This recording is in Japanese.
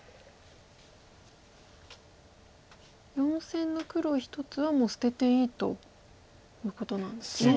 ４線の黒１つはもう捨てていいということなんですね。